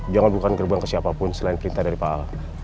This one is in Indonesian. jangan bukan gerbang ke siapapun selain perintah dari pak ahok